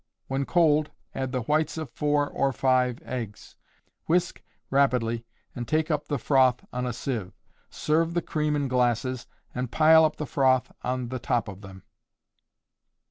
When cold add the whites of four or five eggs; whisk rapidly and take up the froth on a sieve; serve the cream in glasses, and pile up the froth on the top of them.